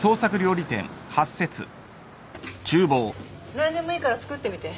何でもいいから作ってみて。